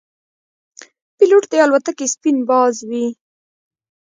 پیلوټ د الوتکې سپین باز وي.